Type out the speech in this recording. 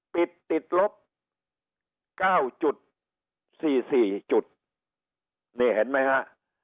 ติดติดลบ๙๔๔จุดนี่เห็นไหมฮะ